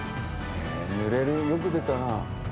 「濡れる」よく出たな。